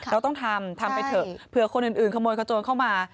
เราต้องทำทำไปเถอะเผื่อคนอื่นขโมยขโจรเข้ามา